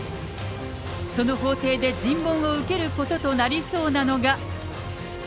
その法廷で尋問を受けることとなりそうなのが。